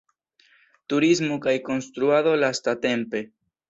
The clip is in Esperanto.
Turismo kaj konstruado lastatempe.